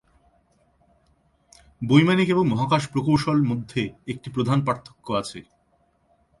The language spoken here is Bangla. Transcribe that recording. বৈমানিক এবং মহাকাশ প্রকৌশল মধ্যে একটি প্রধান পার্থক্য আছে।